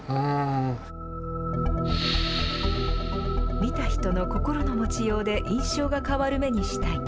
見た人の心の持ちようで印象が変わる目にしたい。